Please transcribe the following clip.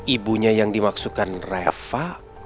ibunya yang dimaksudkan reva